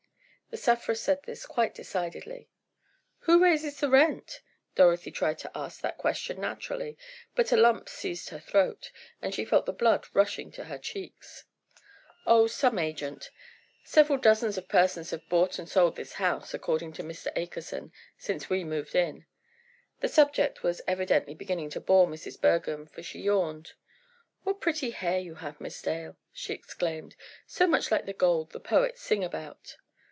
The sufferer said this quite decidedly. "Who raises the rents?" Dorothy tried to ask the question naturally, but a lump seized her throat, and she felt the blood rushing to her cheeks. "Oh, some agent. Several dozens of persons have bought and sold this house, according to Mr. Akerson, since we moved in." The subject was evidently beginning to bore Mrs. Bergham, for she yawned. "What pretty hair you have, Miss Dale," she exclaimed, "so much like the gold the poets sing about."